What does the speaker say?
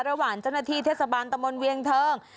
เจ้าหน้าที่เทศบาลตะมนต์เวียงเทิง